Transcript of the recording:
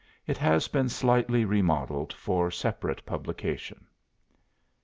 It has been slightly remodelled for separate publication.